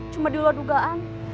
cuma diluar dugaan